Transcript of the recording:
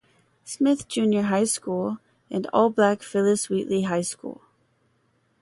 Smith Junior High School, and all-black Phyllis Wheatley High School.